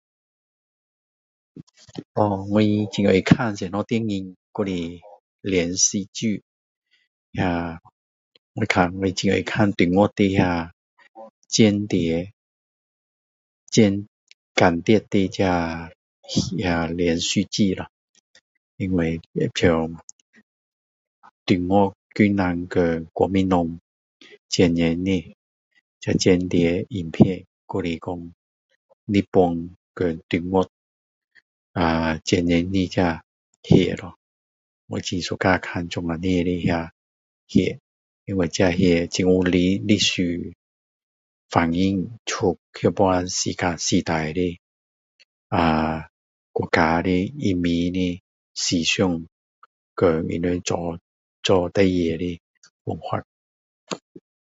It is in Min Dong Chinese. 哦我很爱看怎样的电影还是连戏剧啊我看比较喜欢看中国的间谍间间谍这连戏剧咯因为中国共产和国民党战争的这间谍的影片还是说日本和中国啊战争的戏咯我很喜欢看这样的戏因为这样的戏很有历史反应出时代的国家的人民的思想像和他们做事情的方法